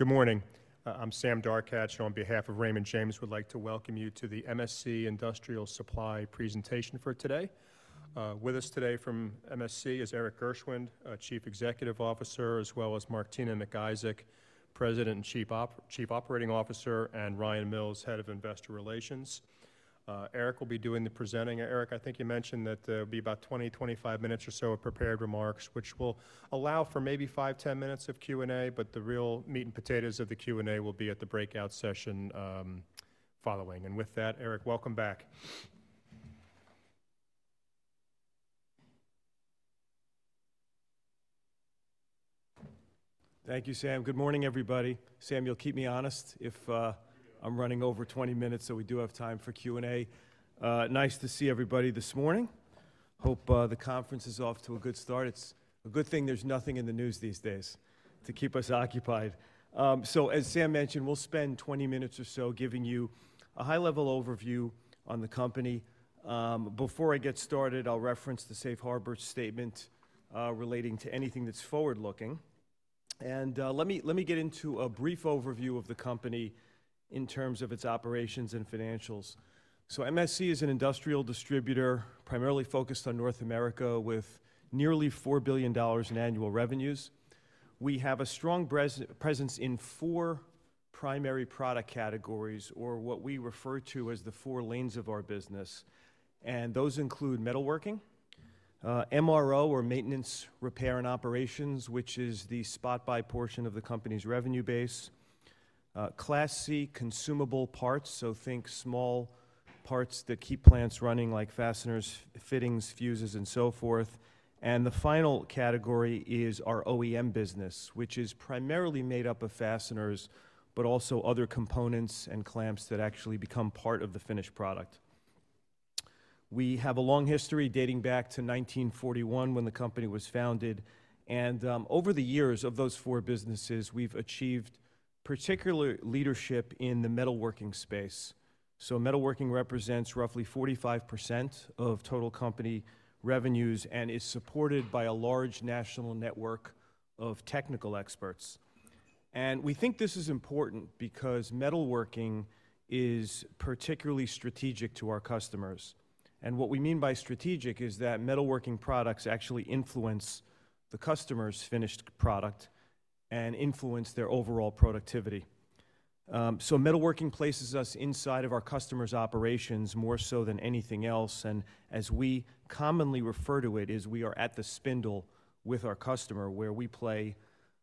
Good morning. I'm Sam Darkatsh, and on behalf of Raymond James, I would like to welcome you to the MSC Industrial Supply presentation for today. With us today from MSC is Erik Gershwind, Chief Executive Officer, as well as Martina McIsaac, President and Chief Operating Officer, and Ryan Mills, Head of Investor Relations. Erik will be doing the presenting. Erik, I think you mentioned that there will be about 20, 25 minutes or so of prepared remarks, which will allow for maybe five, 10 minutes of Q&A, but the real meat and potatoes of the Q&A will be at the breakout session following, and with that, Erik, welcome back. Thank you, Sam. Good morning, everybody. Sam, you'll keep me honest if I'm running over 20 minutes, so we do have time for Q&A. Nice to see everybody this morning. Hope the conference is off to a good start. It's a good thing there's nothing in the news these days to keep us occupied, so as Sam mentioned, we'll spend 20 minutes or so giving you a high-level overview on the company. Before I get started, I'll reference the Safe Harbor statement relating to anything that's forward-looking, and let me get into a brief overview of the company in terms of its operations and financials, so MSC is an industrial distributor primarily focused on North America with nearly $4 billion in annual revenues. We have a strong presence in four primary product categories, or what we refer to as the four lanes of our business. Those include metalworking, MRO, or Maintenance, Repair, and Operations, which is the spot-buy portion of the company's revenue base, Class C, consumable parts, so think small parts that keep plants running, like fasteners, fittings, fuses, and so forth. The final category is our OEM business, which is primarily made up of fasteners, but also other components and clamps that actually become part of the finished product. We have a long history dating back to 1941 when the company was founded. Over the years of those four businesses, we've achieved particular leadership in the metalworking space. Metalworking represents roughly 45% of total company revenues and is supported by a large national network of technical experts. We think this is important because metalworking is particularly strategic to our customers. And what we mean by strategic is that metalworking products actually influence the customer's finished product and influence their overall productivity. So, metalworking places us inside of our customer's operations more so than anything else. And as we commonly refer to it, we are at the spindle with our customer, where we play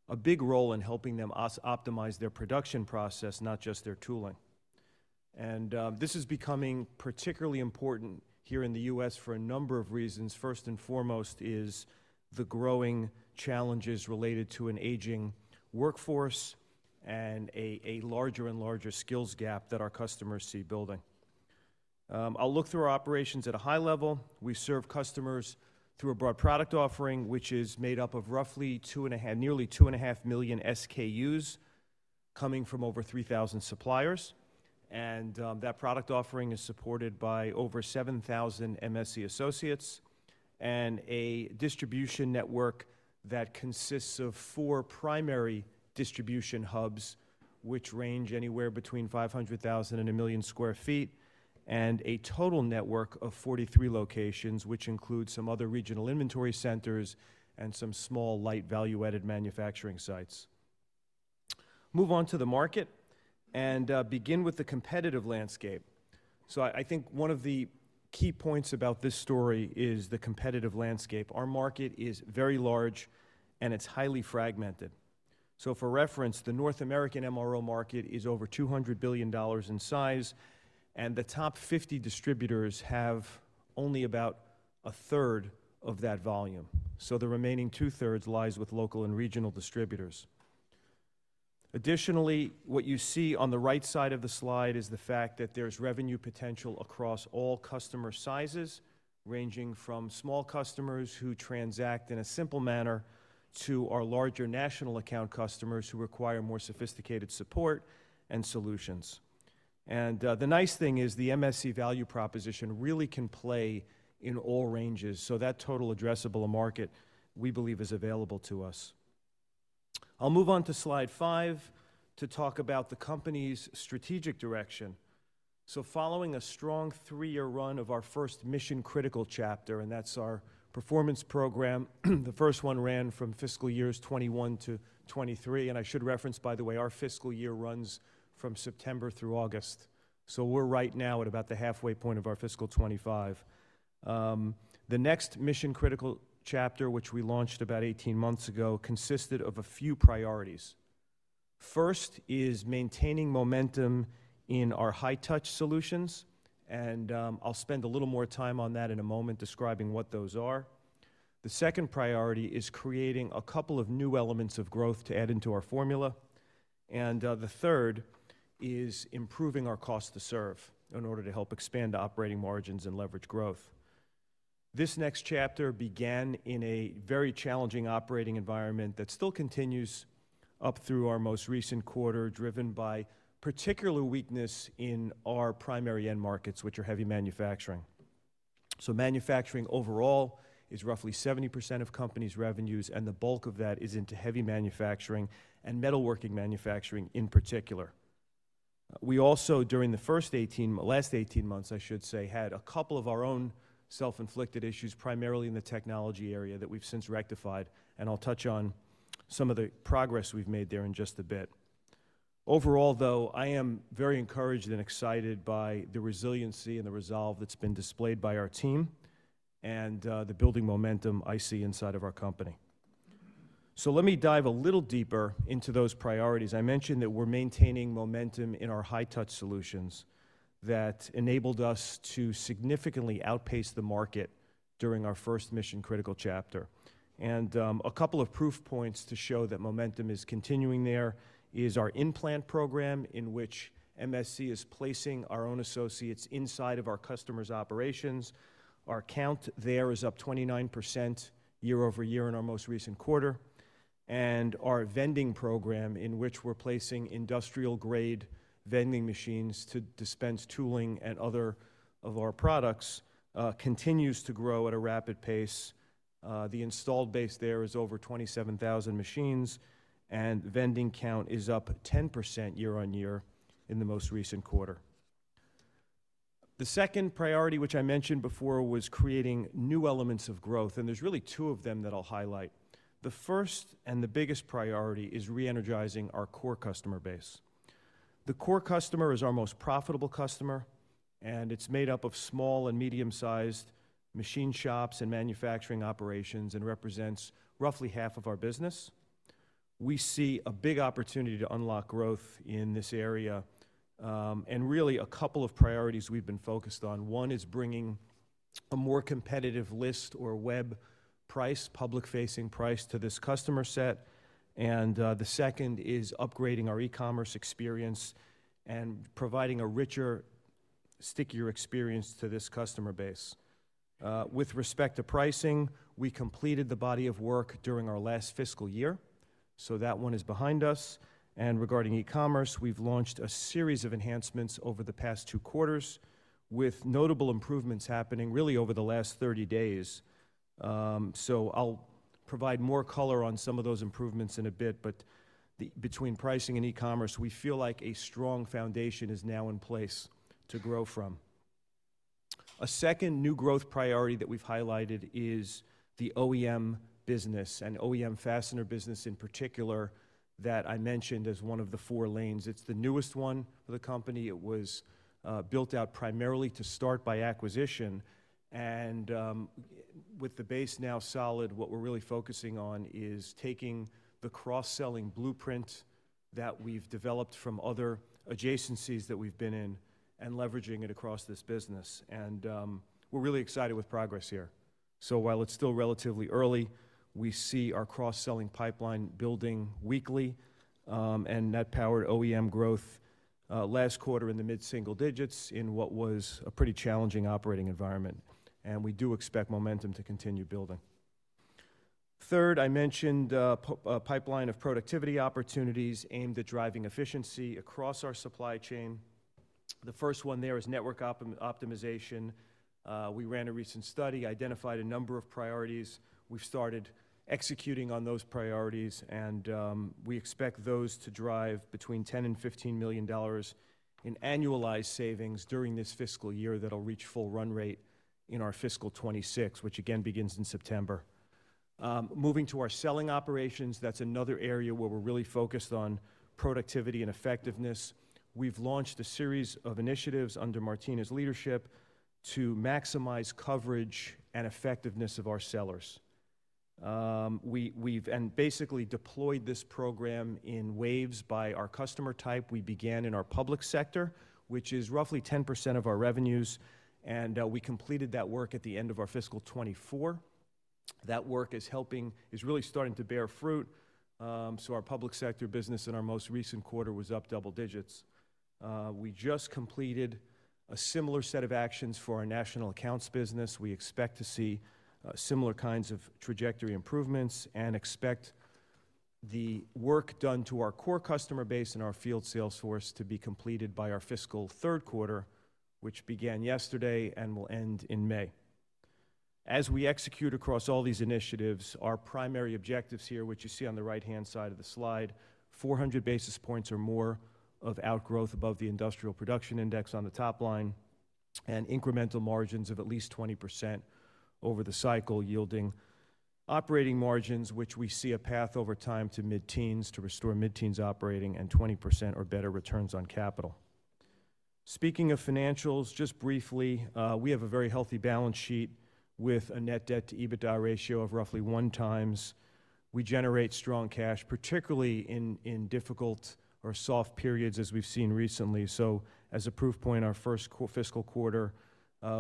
a big role in helping them optimize their production process, not just their tooling. And this is becoming particularly important here in the U.S. for a number of reasons. First and foremost is the growing challenges related to an aging workforce and a larger and larger skills gap that our customers see building. I'll look through our operations at a high level. We serve customers through a broad product offering, which is made up of roughly nearly 2.5 million SKUs coming from over 3,000 suppliers. That product offering is supported by over 7,000 MSC associates and a distribution network that consists of four primary distribution hubs, which range anywhere between 500,000 and a million sq ft, and a total network of 43 locations, which includes some other regional inventory centers and some small light value-added manufacturing sites. Move on to the market and begin with the competitive landscape. I think one of the key points about this story is the competitive landscape. Our market is very large, and it's highly fragmented. For reference, the North American MRO market is over $200 billion in size, and the top 50 distributors have only about 1/3 of that volume. The remaining 2/3 lies with local and regional distributors. Additionally, what you see on the right side of the slide is the fact that there's revenue potential across all customer sizes, ranging from small customers who transact in a simple manner to our larger national account customers who require more sophisticated support and solutions. And the nice thing is the MSC value proposition really can play in all ranges, so that total addressable market we believe is available to us. I'll move on to Slide 5 to talk about the company's strategic direction. So, following a strong three-year run of our first Mission Critical chapter, and that's our performance program, the first one ran from fiscal years 2021-2023. And I should reference, by the way, our fiscal year runs from September through August. So, we're right now at about the halfway point of our fiscal 2025. The next Mission Critical chapter, which we launched about 18 months ago, consisted of a few priorities. First is maintaining momentum in our high-touch solutions, and I'll spend a little more time on that in a moment describing what those are. The second priority is creating a couple of new elements of growth to add into our formula. And the third is improving our cost to serve in order to help expand operating margins and leverage growth. This next chapter began in a very challenging operating environment that still continues up through our most recent quarter, driven by particular weakness in our primary end markets, which are heavy manufacturing, so manufacturing overall is roughly 70% of company's revenues, and the bulk of that is into heavy manufacturing and metalworking manufacturing in particular. We also, during the first 18, last 18 months, I should say, had a couple of our own self-inflicted issues, primarily in the technology area that we've since rectified, and I'll touch on some of the progress we've made there in just a bit. Overall, though, I am very encouraged and excited by the resiliency and the resolve that's been displayed by our team and the building momentum I see inside of our company. So, let me dive a little deeper into those priorities. I mentioned that we're maintaining momentum in our high-touch solutions that enabled us to significantly outpace the market during our first Mission Critical chapter. And a couple of proof points to show that momentum is continuing there is our In-Plant program, in which MSC is placing our own associates inside of our customer's operations. Our count there is up 29% year-over-year in our most recent quarter, and our vending program, in which we're placing industrial-grade vending machines to dispense tooling and other of our products, continues to grow at a rapid pace. The installed base there is over 27,000 machines, and vending count is up 10% year-on-year in the most recent quarter. The second priority, which I mentioned before, was creating new elements of growth, and there's really two of them that I'll highlight. The first and the biggest priority is re-energizing our core customer base. The core customer is our most profitable customer, and it's made up of small and medium-sized machine shops and manufacturing operations and represents roughly half of our business. We see a big opportunity to unlock growth in this area, and really, a couple of priorities we've been focused on. One is bringing a more competitive list or web price, public-facing price to this customer set, and the second is upgrading our e-commerce experience and providing a richer, stickier experience to this customer base. With respect to pricing, we completed the body of work during our last fiscal year, so that one is behind us, and regarding e-commerce, we've launched a series of enhancements over the past two quarters, with notable improvements happening really over the last 30 days, so I'll provide more color on some of those improvements in a bit, but between pricing and e-commerce, we feel like a strong foundation is now in place to grow from. A second new growth priority that we've highlighted is the OEM business, and OEM fastener business in particular, that I mentioned as one of the four lanes. It's the newest one for the company. It was built out primarily to start by acquisition. And with the base now solid, what we're really focusing on is taking the cross-selling blueprint that we've developed from other adjacencies that we've been in and leveraging it across this business. And we're really excited with progress here. So, while it's still relatively early, we see our cross-selling pipeline building weekly, andthat powered OEM growth last quarter in the mid-single digits in what was a pretty challenging operating environment. And we do expect momentum to continue building. Third, I mentioned a pipeline of productivity opportunities aimed at driving efficiency across our supply chain. The first one there is network optimization. We ran a recent study, identified a number of priorities. We've started executing on those priorities, and we expect those to drive between $10 million and $15 million in annualized savings during this fiscal year that'll reach full run rate in our fiscal 2026, which again begins in September. Moving to our selling operations, that's another area where we're really focused on productivity and effectiveness. We've launched a series of initiatives under Martina's leadership to maximize coverage and effectiveness of our sellers. We've basically deployed this program in waves by our customer type. We began in our public sector, which is roughly 10% of our revenues, and we completed that work at the end of our fiscal 2024. That work is helping, is really starting to bear fruit. So, our public sector business in our most recent quarter was up double digits. We just completed a similar set of actions for our national accounts business. We expect to see similar kinds of trajectory improvements and expect the work done to our core customer base and our field sales force to be completed by our fiscal Q3, which began yesterday and will end in May. As we execute across all these initiatives, our primary objectives here, which you see on the right-hand side of the slide, 400 basis points or more of outgrowth above the industrial production index on the top line, an incremental margins of at least 20% over the cycle yielding operating margins, which we see a path over time to mid-teens to restore mid-teens operating and 20% or better returns on capital. Speaking of financials, just briefly, we have a very healthy balance sheet with a net debt-to-EBITDA ratio of roughly 1x. We generate strong cash, particularly in difficult or soft periods as we've seen recently. As a proof point, our first fiscal quarter,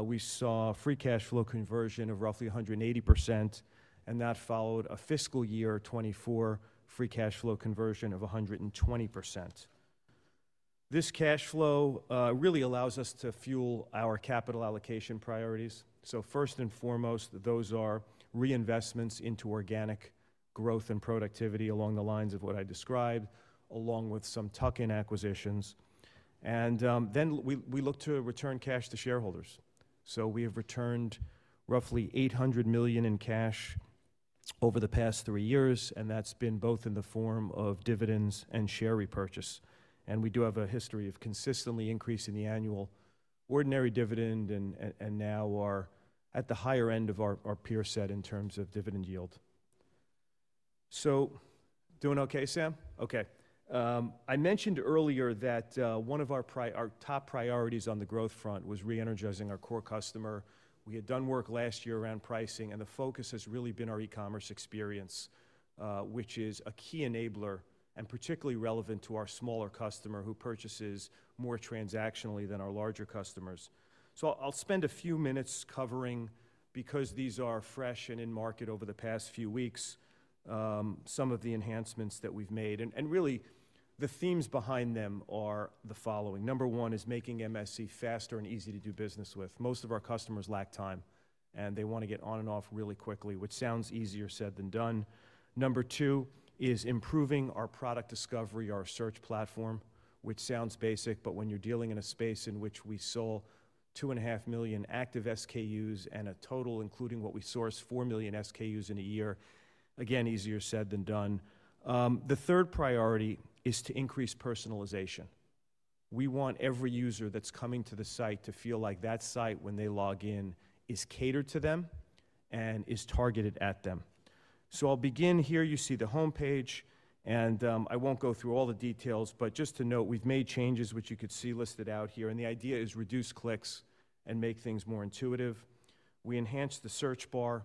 we saw free cash flow conversion of roughly 180%, and that followed a fiscal year 2024 free cash flow conversion of 120%. This cash flow really allows us to fuel our capital allocation priorities. So, first and foremost, those are reinvestments into organic growth and productivity along the lines of what I described, along with some tuck-in acquisitions. And then we look to return cash to shareholders. So, we have returned roughly $800 million in cash over the past three years, and that's been both in the form of dividends and share repurchase. And we do have a history of consistently increasing the annual ordinary dividend and now are at the higher end of our peer set in terms of dividend yield. So, doing okay, Sam? Okay. I mentioned earlier that one of our top priorities on the growth front was re-energizing our core customer. We had done work last year around pricing, and the focus has really been our e-commerce experience, which is a key enabler and particularly relevant to our smaller customer who purchases more transactionally than our larger customers. So, I'll spend a few minutes covering, because these are fresh and in market over the past few weeks, some of the enhancements that we've made. And really, the themes behind them are the following. Number one is making MSC faster and easy to do business with. Most of our customers lack time, and they want to get on and off really quickly, which sounds easier said than done. Number two is improving our product discovery, our search platform, which sounds basic, but when you're dealing in a space in which we sold 2.5 million active SKUs and a total, including what we sourced, 4 million SKUs in a year, again, easier said than done. The third priority is to increase personalization. We want every user that's coming to the site to feel like that site when they log in is catered to them and is targeted at them, so I'll begin here. You see the homepage, and I won't go through all the details, but just to note, we've made changes, which you could see listed out here, and the idea is reduce clicks and make things more intuitive. We enhanced the search bar.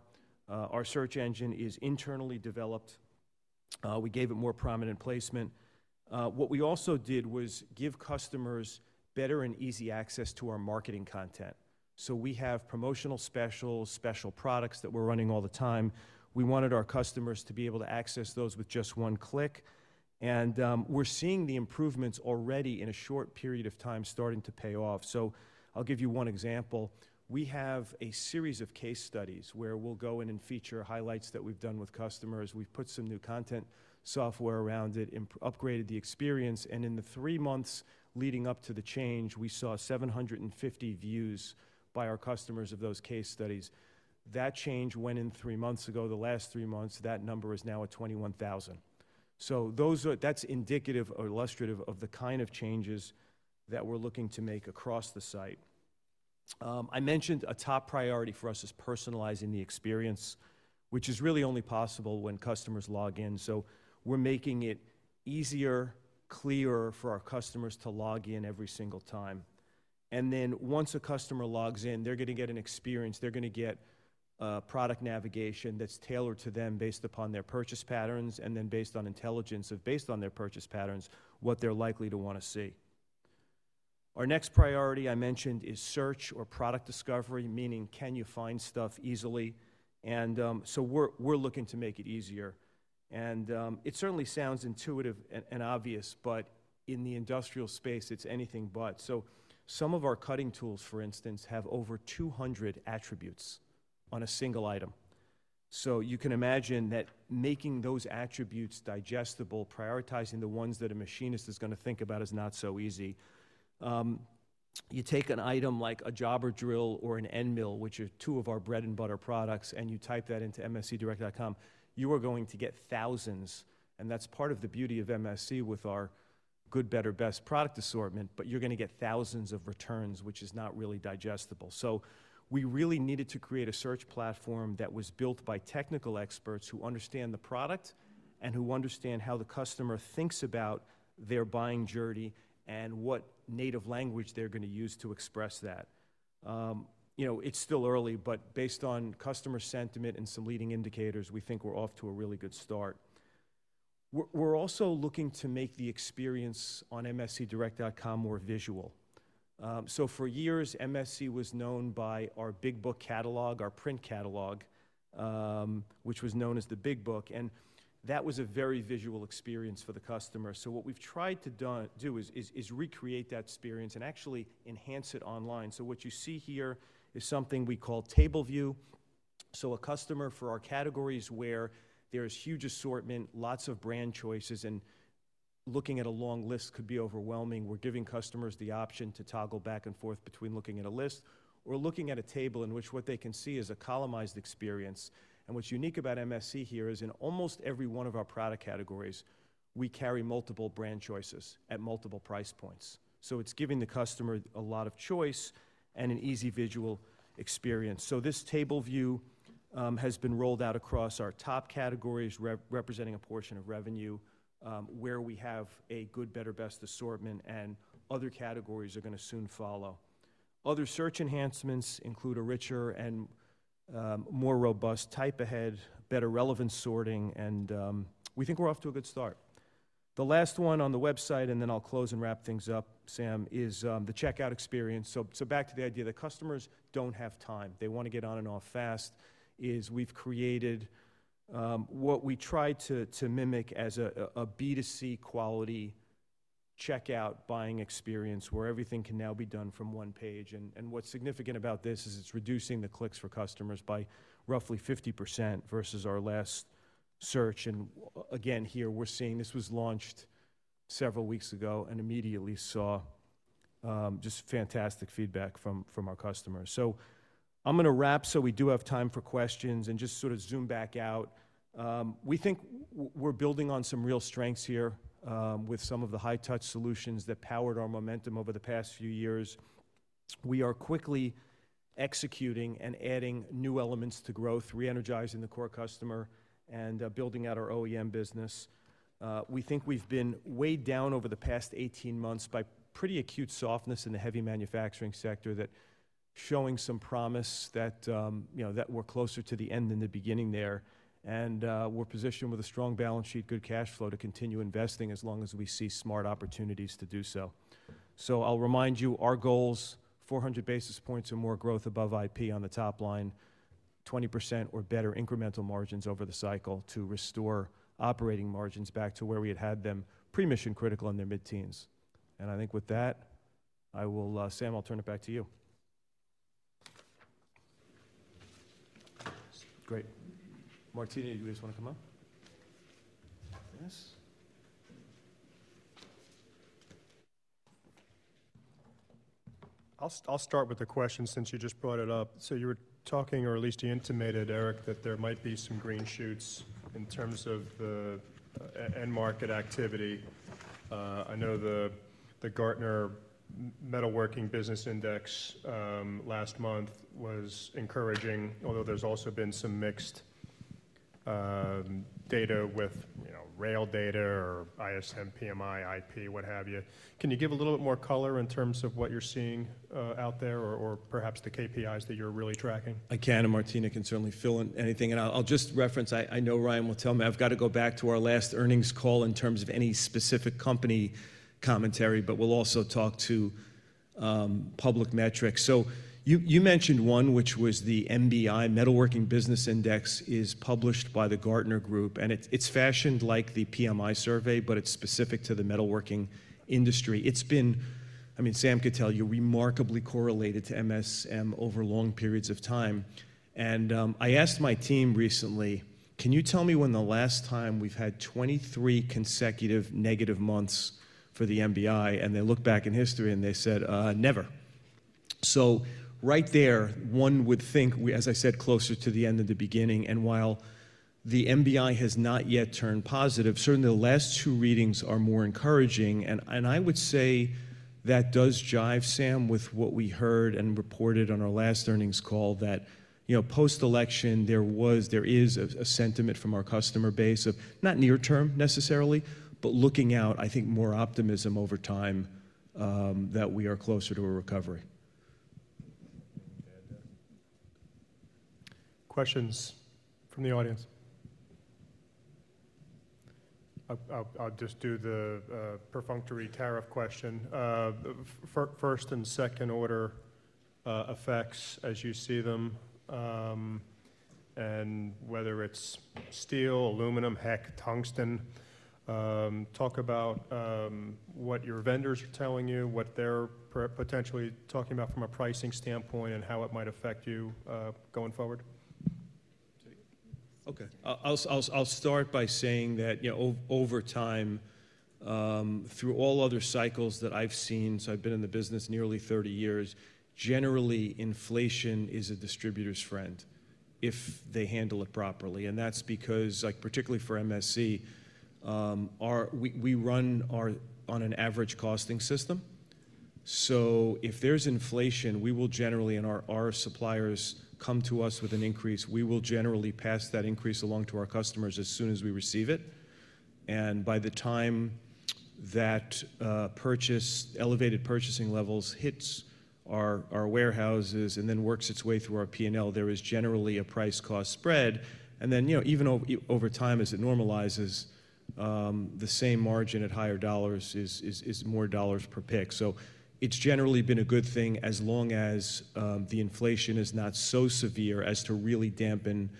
Our search engine is internally developed. We gave it more prominent placement. What we also did was give customers better and easy access to our marketing content. So, we have promotional specials, special products that we're running all the time. We wanted our customers to be able to access those with just one click. And we're seeing the improvements already in a short period of time starting to pay off. So, I'll give you one example. We have a series of case studies where we'll go in and feature highlights that we've done with customers. We've put some new content software around it, upgraded the experience. And in the three months leading up to the change, we saw 750 views by our customers of those case studies. That change went in three months ago. The last three months, that number is now at 21,000. So, that's indicative or illustrative of the kind of changes that we're looking to make across the site. I mentioned a top priority for us is personalizing the experience, which is really only possible when customers log in, so we're making it easier, clearer for our customers to log in every single time, and then once a customer logs in, they're going to get an experience, they're going to get product navigation that's tailored to them based upon their purchase patterns and then based on intelligence based on their purchase patterns, what they're likely to want to see. Our next priority I mentioned is search or product discovery, meaning can you find stuff easily, and so we're looking to make it easier, and it certainly sounds intuitive and obvious, but in the industrial space, it's anything but, so some of our cutting tools, for instance, have over 200 attributes on a single item. So, you can imagine that making those attributes digestible, prioritizing the ones that a machinist is going to think about is not so easy. You take an item like a jobber drill or an end mill, which are two of our bread and butter products, and you type that into mscdirect.com, you are going to get thousands, and that's part of the beauty of MSC with our good, better, best product assortment, but you're going to get thousands of returns, which is not really digestible. So, we really needed to create a search platform that was built by technical experts who understand the product and who understand how the customer thinks about their buying journey and what native language they're going to use to express that. You know, it's still early, but based on customer sentiment and some leading indicators, we think we're off to a really good start. We're also looking to make the experience on mscdirect.com more visual. So, for years, MSC was known by our Big Book catalog, our print catalog, which was known as the Big Book. And that was a very visual experience for the customer. So, what we've tried to do is recreate that experience and actually enhance it online. So, what you see here is something we call Table View. So, a customer for our categories where there is huge assortment, lots of brand choices, and looking at a long list could be overwhelming, we're giving customers the option to toggle back and forth between looking at a list or looking at a table in which what they can see is a columnized experience. And what's unique about MSC here is in almost every one of our product categories, we carry multiple brand choices at multiple price points. It's giving the customer a lot of choice and an easy visual experience. This Table View has been rolled out across our top categories, representing a portion of revenue where we have a good, better, best assortment, and other categories are going to soon follow. Other search enhancements include a richer and more robust type-ahead, better relevance sorting, and we think we're off to a good start. The last one on the website, and then I'll close and wrap things up, Sam, is the checkout experience. Back to the idea that customers don't have time. They want to get on and off fast, is we've created what we try to mimic as a B2C quality checkout buying experience where everything can now be done from one page. What's significant about this is it's reducing the clicks for customers by roughly 50% versus our last search. And again, here we're seeing this was launched several weeks ago and immediately saw just fantastic feedback from our customers. So, I'm going to wrap so we do have time for questions and just sort of zoom back out. We think we're building on some real strengths here with some of the high-touch solutions that powered our momentum over the past few years. We are quickly executing and adding new elements to growth, re-energizing the core customer and building out our OEM business. We think we've been weighed down over the past 18 months by pretty acute softness in the heavy manufacturing sector that's showing some promise that we're closer to the end than the beginning there. And we're positioned with a strong balance sheet, good cash flow to continue investing as long as we see smart opportunities to do so. So, I'll remind you our goals, 400 basis points or more growth above IP on the top line, 20% or better incremental margins over the cycle to restore operating margins back to where we had had them pre-mission critical in their mid-teens. And I think with that, I will, Sam, I'll turn it back to you. Great. Martina, you guys want to come up? Yes. I'll start with a question since you just brought it up. So, you were talking, or at least you intimated, Erik, that there might be some green shoots in terms of the end market activity. I know the Gardner Metalworking Business Index last month was encouraging, although there's also been some mixed data with rail data or ISM, PMI, IP, what have you. Can you give a little bit more color in terms of what you're seeing out there or perhaps the KPIs that you're really tracking? I can, and Martina can certainly fill in anything, and I'll just reference. I know Ryan will tell me I've got to go back to our last earnings call in terms of any specific company commentary, but we'll also talk to public metrics, so you mentioned one, which was the MBI Metalworking Business Index is published by Gardner, and it's fashioned like the PMI survey, but it's specific to the metalworking industry. It's been, I mean, Sam could tell you remarkably correlated to MSC over long periods of time, and I asked my team recently. Can you tell me when the last time we've had 23 consecutive negative months for the MBI? And they looked back in history and they said, never. So, right there, one would think, as I said, closer to the end than the beginning. And while the MBI has not yet turned positive, certainly the last two readings are more encouraging. And I would say that does jive, Sam, with what we heard and reported on our last earnings call that, you know, post-election, there was, there is a sentiment from our customer base of not near-term necessarily, but looking out, I think more optimism over time that we are closer to a recovery. Questions from the audience? I'll just do the perfunctory tariff question. First and second order effects as you see them and whether it's steel, aluminum, heck, tungsten. Talk about what your vendors are telling you, what they're potentially talking about from a pricing standpoint and how it might affect you going forward. Okay. I'll start by saying that, you know, over time, through all other cycles that I've seen, so I've been in the business nearly 30 years, generally inflation is a distributor's friend if they handle it properly. And that's because, like particularly for MSC, we run on an average costing system. So, if there's inflation, we will generally, and our suppliers come to us with an increase, we will generally pass that increase along to our customers as soon as we receive it. And by the time that elevated purchasing levels hit our warehouses and then works its way through our P&L, there is generally a price-cost spread. And then, you know, even over time, as it normalizes, the same margin at higher dollars is more dollars per pick. So, it's generally been a good thing as long as the inflation is not so severe as to really dampen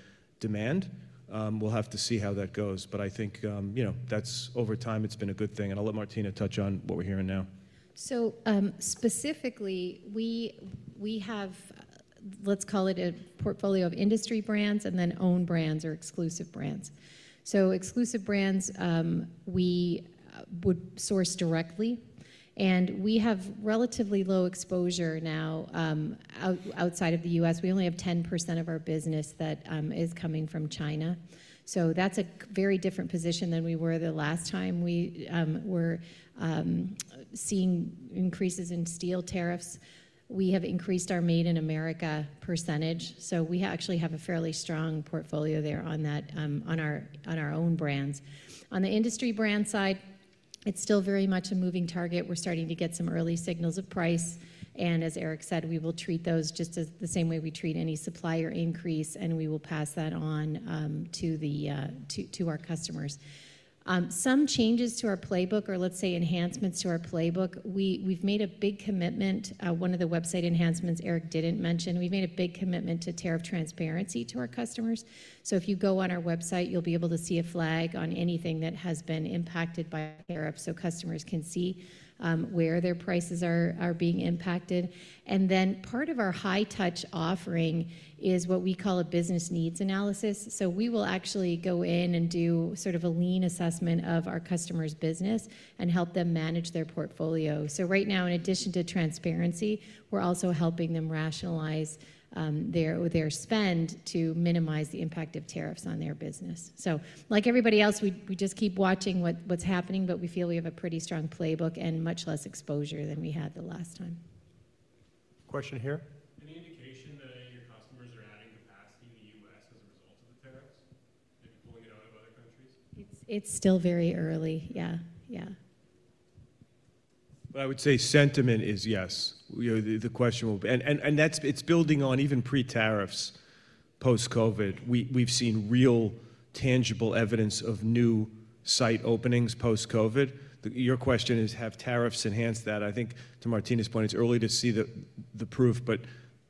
demand. We'll have to see how that goes, but I think, you know, that's over time, it's been a good thing. And I'll let Martina touch on what we're hearing now. So, specifically, we have, let's call it a portfolio of industry brands and then own brands or exclusive brands. So, exclusive brands, we would source directly. And we have relatively low exposure now outside of the U.S. We only have 10% of our business that is coming from China. So, that's a very different position than we were the last time we were seeing increases in steel tariffs. We have increased our made in America percentage. So, we actually have a fairly strong portfolio there on our own brands. On the industry brand side, it's still very much a moving target. We're starting to get some early signals of price. As Erik said, we will treat those just the same way we treat any supplier increase, and we will pass that on to our customers. Some changes to our playbook or let's say enhancements to our playbook, we've made a big commitment. One of the website enhancements Erik didn't mention, we've made a big commitment to tariff transparency to our customers. If you go on our website, you'll be able to see a flag on anything that has been impacted by tariffs so customers can see where their prices are being impacted. Part of our high-touch offering is what we call a business needs analysis. We will actually go in and do sort of a lean assessment of our customer's business and help them manage their portfolio. Right now, in addition to transparency, we're also helping them rationalize their spend to minimize the impact of tariffs on their business. So, like everybody else, we just keep watching what's happening, but we feel we have a pretty strong playbook and much less exposure than we had the last time. Question here. Any indication that your customers are adding capacity in the U.S. as a result of the tariffs? Maybe pulling it out of other countries? It's still very early. Yeah, yeah. But I would say sentiment is yes. The question will be, and it's building on even pre-tariffs post-COVID. We've seen real tangible evidence of new site openings post-COVID. Your question is, have tariffs enhanced that? I think to Martina's point, it's early to see the proof, but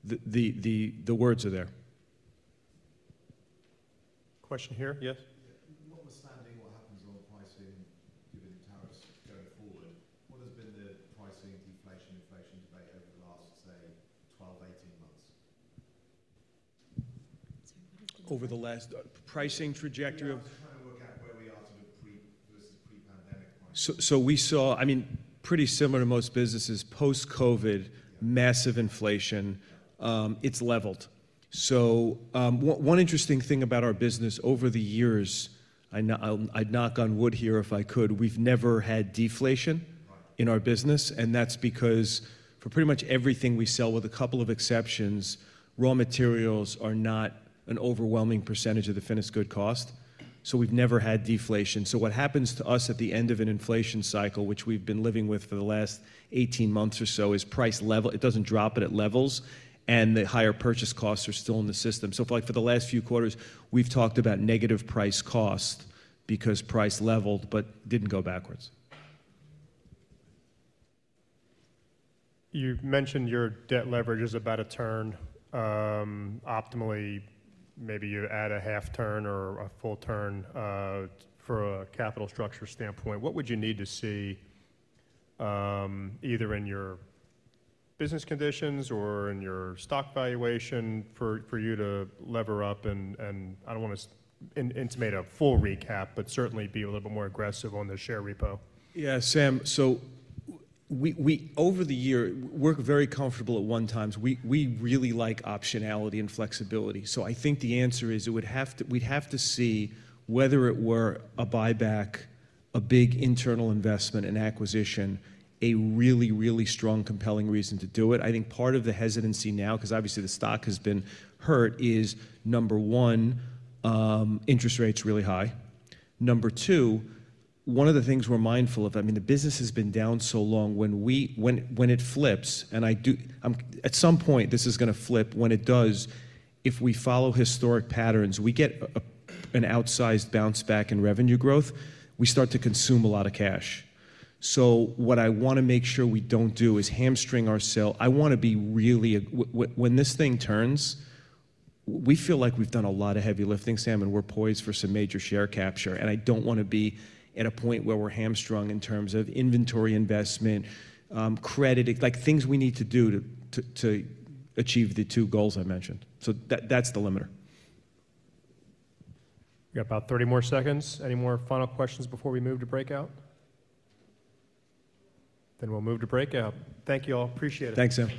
the words are there. Question here. Yes. What are your thoughts on what happens on pricing given the tariffs going forward? What has been the pricing deflation inflation debate over the last, say, 12-18 months? Over the last pricing trajectory of, Trying to work out where we are sort of pre-pandemic pricing. So, we saw, I mean, pretty similar to most businesses post-COVID, massive inflation. It's leveled. So, one interesting thing about our business over the years, I'd knock on wood here if I could, we've never had deflation in our business. And that's because for pretty much everything we sell, with a couple of exceptions, raw materials are not an overwhelming percentage of the finished good cost. So, we've never had deflation. So, what happens to us at the end of an inflation cycle, which we've been living with for the last 18 months or so, is price level. It doesn't drop, but it levels. And the higher purchase costs are still in the system. So, for like the last few quarters, we've talked about negative price cost because price leveled, but didn't go backwards. You mentioned your debt leverage is about a turn optimally. Maybe you add 1/2 turn or a full turn for a capital structure standpoint. What would you need to see either in your business conditions or in your stock valuation for you to lever up? And I don't want to initiate a full recap, but certainly be a little bit more aggressive on the share repo. Yeah, Sam. So, we over the year were very comfortable at one turn. We really like optionality and flexibility. So, I think the answer is we would have to see whether it were a buyback, a big internal investment, an acquisition, a really, really strong, compelling reason to do it. I think part of the hesitancy now, because obviously the stock has been hurt, is number one, interest rates really high. Number two, one of the things we're mindful of, I mean, the business has been down so long. When it flips, and I do, at some point this is going to flip. When it does, if we follow historic patterns, we get an outsized bounce back in revenue growth, we start to consume a lot of cash, so what I want to make sure we don't do is hamstring ourselves. I want to be really, when this thing turns, we feel like we've done a lot of heavy lifting, Sam, and we're poised for some major share capture, and I don't want to be at a point where we're hamstrung in terms of inventory investment, credit, like things we need to do to achieve the two goals I mentioned. So, that's the limiter. We got about 30 more seconds. Any more final questions before we move to breakout? Then we'll move to breakout. Thank you all. Appreciate it. Thanks, Sam.